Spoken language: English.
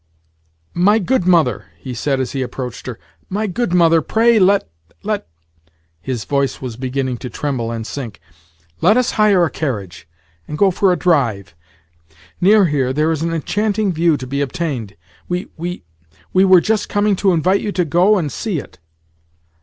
"My good mother," he said as he approached her, "—my good mother, pray let, let—" (his voice was beginning to tremble and sink) "—let us hire a carriage, and go for a drive. Near here there is an enchanting view to be obtained. We we we were just coming to invite you to go and see it."